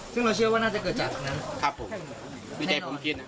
ซึ่งเราเชื่อว่าน่าจะเกิดจากนั้น